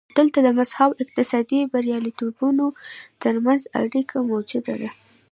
دلته د مذهب او اقتصادي بریالیتوبونو ترمنځ اړیکه موجوده ده.